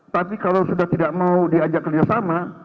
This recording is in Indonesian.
tapi kalau sudah tidak mau diajak kerjasama